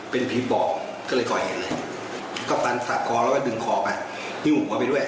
เป็นพี่บอกก็เลยก่อเห็นเลยก็ปันสาบคอแล้วก็ดึงคอมา